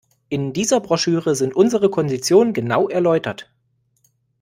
In dieser Broschüre sind unsere Konditionen genau erläutert.